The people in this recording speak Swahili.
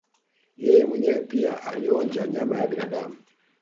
Yeye mwenyewe pia alionja nyama ya binadamu